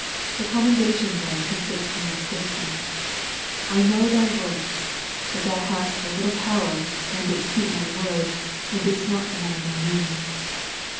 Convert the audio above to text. The commendation then con sists in this statement, " I know thy works ... that thou hast a little power, and didst keep My word, and didst not deny My name."